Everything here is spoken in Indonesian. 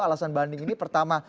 alasan banding ini pertama